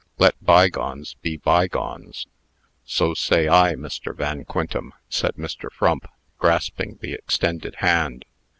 Let bygones be bygones." "So say I, Mr. Van Quintem," said Mr. Frump, grasping the extended hand.